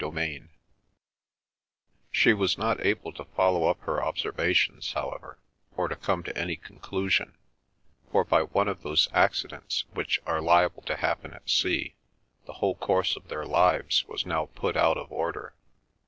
CHAPTER V She was not able to follow up her observations, however, or to come to any conclusion, for by one of those accidents which are liable to happen at sea, the whole course of their lives was now put out of order.